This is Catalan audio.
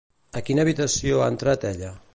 A quina habitació ha entrat ella?